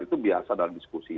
itu biasa dalam diskusi